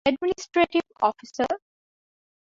އެޑްމިނިސްޓްރޓިވް އޮފިސަރ